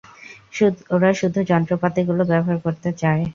ওরা শুধু যন্ত্রপাতিগুলো ব্যবহার করতে চায়।